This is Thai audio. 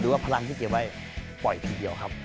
ว่าพลังที่เก็บไว้ปล่อยทีเดียวครับ